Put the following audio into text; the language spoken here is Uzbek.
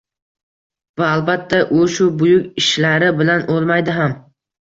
Va, albatta, u shu buyuk ishlari bilan o’lmaydi ham!